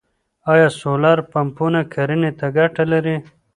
آیا سولر پمپونه کرنې ته ګټه لري؟